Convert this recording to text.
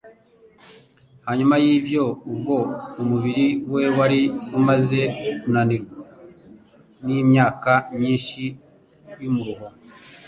Hanyuma y'ibyo ubwo umubiri we wari umaze kunanirwa n'imyaka myinshi y'umuruho